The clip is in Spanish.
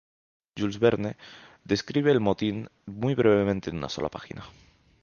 Jules Verne describe el motín muy brevemente en una sola página.